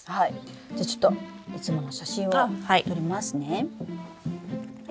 じゃちょっといつもの写真を撮りますね。